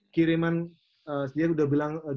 kiriman dia udah bilang